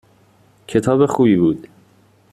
کتاب خوبی بود